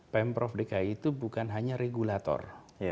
pemprov dki itu bukan hanya regulator